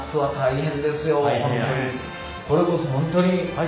これこそ本当に。